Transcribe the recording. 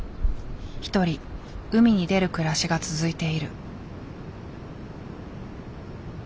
一人海に出る暮らしが続いている。